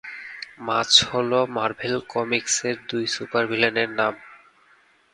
মাছ হল মার্ভেল কমিক্সের দুই সুপারভিলেনের নাম।